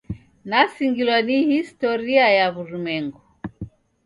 Nasingilwa ni historia ya w'urumwengu.